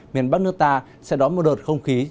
miền bắc nước ta sẽ đón một đợt không khí